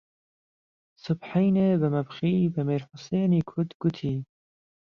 سبحهینێ به مهبخی به میرحوسێنی کوت گوتی